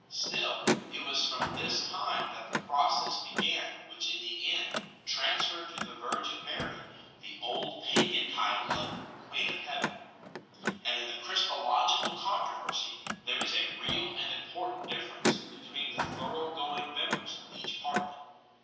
Still, it was from this time that the process began which in the end transferred to the Virgin Mary the old pagan title of " Queen of Heaven 2 ." And in the Christological controversy there is a real and important difference between the thorough going members of each party.